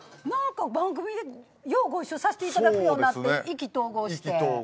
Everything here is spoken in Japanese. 番組でようご一緒させていただくようになって意気投合して。